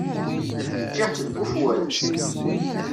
Ččiɣ-tt deg ufwad.